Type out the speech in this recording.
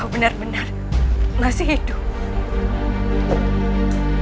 benar benar masih hidup